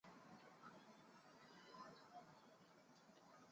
生态旅游服务中心和赏鹰平台是为了使民众能更解八卦山生态所设。